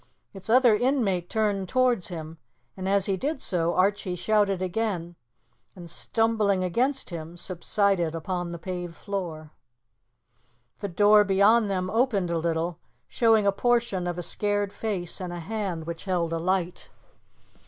Its other inmate turned towards him, and as he did so Archie shouted again, and, stumbling against him, subsided upon the paved floor. The door beyond them opened a little, showing a portion of a scared face and a hand which held a light.